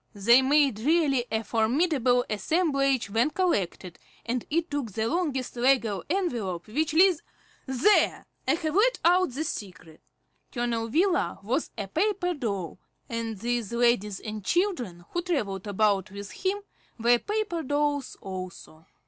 They made really a formidable assemblage when collected, and it took the longest legal envelope which Liz There! I have let out the secret. Colonel Wheeler was a paper doll, and these ladies and children who travelled about with him were paper dolls also.